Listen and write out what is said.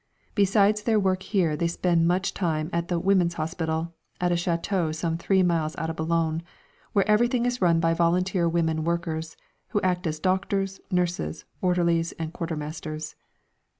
Besides their work here they spend much time at the "Women's Hospital" at a château some three miles out of Boulogne, where everything is run by volunteer women workers, who act as doctors, nurses, orderlies and quartermasters.